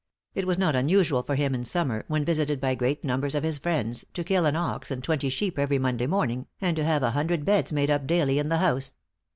It was not unusual for him in summer, when visited by great numbers of his friends, to kill an ox and twenty sheep every Monday morning, and to have a hundred beds made up daily in the house.